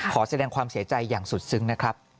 ขอแสดงความเสียใจอย่างสุดซึ้งนะครับ